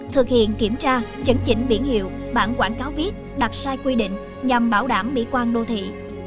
thực hiện kiểm tra chấn chỉnh biển hiệu bản quảng cáo viết đặt sai quy định nhằm bảo đảm mỹ quan đô thị